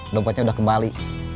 dompetnya udah kembali